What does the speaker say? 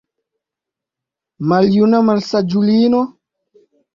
Maljuna malsaĝulino?